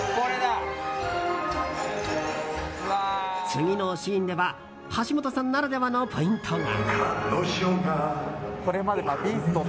次のシーンでは橋本さんならではのポイントが。